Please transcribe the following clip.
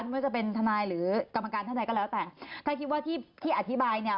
ไม่ว่าจะเป็นทนายหรือกรรมการท่านใดก็แล้วแต่ถ้าคิดว่าที่ที่อธิบายเนี่ย